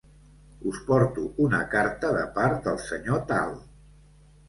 Us porto una carta de part del senyor Tal.